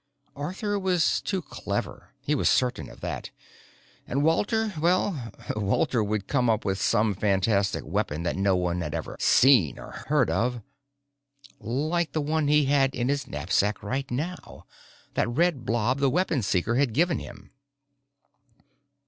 Arthur was too clever, he was certain of that, and Walter, well, Walter would come up with some fantastic weapon that no one had ever seen or heard of.... Like the one he had in his knapsack right now that red blob the Weapon Seeker had given him!